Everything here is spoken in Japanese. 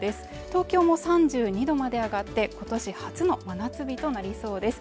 東京も３２度まで上がって今年初の真夏日となりそうです